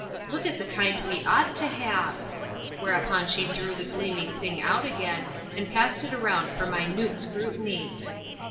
Look at the kind we ought to have !" Whereupon she drew the gleaming thing out again, and passed it around for minute scrutiny.